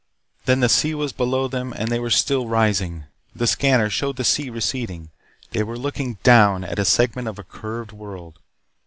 Then the sea was below them and they were still rising. The scanner showed the sea receding. They were looking down at a segment of a curved world.